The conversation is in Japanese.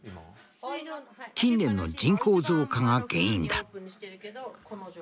近年の人口増加が原因だ。